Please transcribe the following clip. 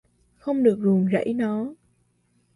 Không được ruồng rãy nó